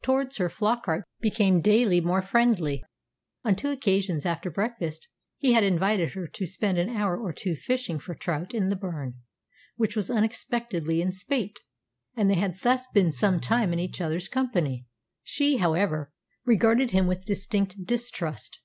Towards her Flockart became daily more friendly. On two occasions, after breakfast, he had invited her to spend an hour or two fishing for trout in the burn, which was unexpectedly in spate, and they had thus been some time in each other's company. She, however, regarded him with distinct distrust.